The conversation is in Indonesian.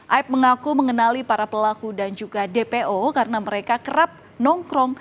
aib mengaku mengenali para pelaku dan juga dpo karena mereka kerap nongkrong